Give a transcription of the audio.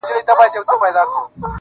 ستا د خوبولو سترگو رنگ يې راوړ,